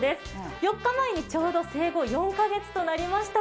４日前にちょうど生後４カ月になりました。